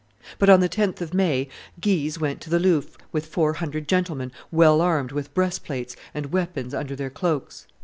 But on the 10th of May, Guise went to the Louvre with four hundred gentlemen well armed with breastplates and weapons under their cloaks.